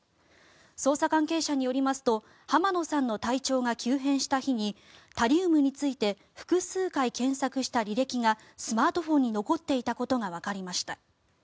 捜査関係者によりますと浜野さんの体調が急変した日にタリウムについて複数回検索した履歴がスマートフォンに残っていたことがわかりました。